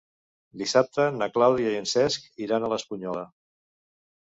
Dissabte na Clàudia i en Cesc iran a l'Espunyola.